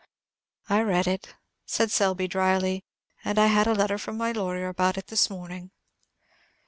"I read it," said Selby, dryly; "and I had a letter from my lawyer about it this morning."